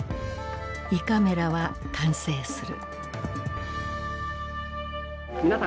胃カメラは完成する。